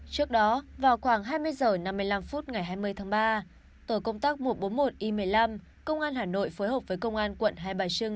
trước đó vào khoảng hai mươi h năm mươi năm phút ngày hai mươi tháng ba tổ công tác một trăm bốn mươi một i một mươi năm công an hà nội phối hợp với công an quận hai bà trưng